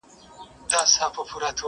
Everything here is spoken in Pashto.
چي اوږدې غاړي لري هغه حلال که٫